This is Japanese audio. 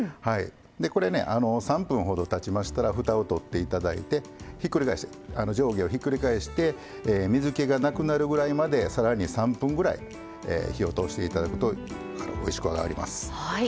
これね、３分ほどたちましたらふたをとっていただいて上下をひっくり返して水けがなくなるぐらいまでさらに３分ぐらい火を通していただくとおいしく上がります。